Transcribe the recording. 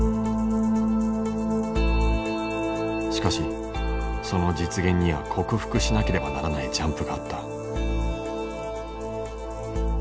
しかしその実現には克服しなければならないジャンプがあった。